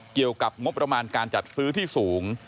เกี่ยวกับงบประมาณการจัดซื้อที่สูง